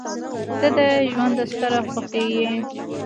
• ته د ژونده ستره خوښي یې.